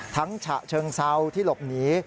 ฉะเชิงเซาที่หลบหนี